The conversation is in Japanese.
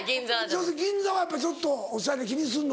銀座はやっぱちょっとおしゃれ気にすんの？